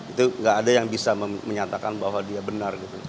itu nggak ada yang bisa menyatakan bahwa dia benar